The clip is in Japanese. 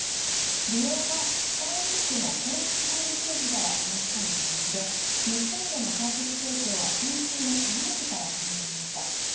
利用はスターリンクの公式ホームページから申し込む形で日本でのサービス提供は先週の火曜日から始まりました。